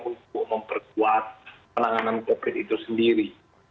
untuk memperkuat penanganan covid sembilan belas itu sendiri